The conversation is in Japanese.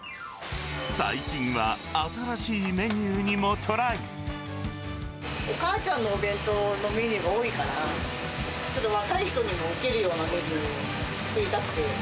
最近は新しいメニューにもトお母ちゃんのお弁当のメニューが多いから、ちょっと若い人にも受けるメニューを作りたくて。